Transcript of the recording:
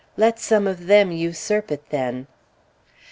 Let some of them usurp it, then!